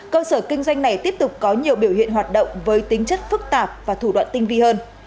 cơ sở kinh doanh này tiếp tục có nhiều biểu hiện hoạt động với tính chất phức tạp và thủ đoạn tinh vi hơn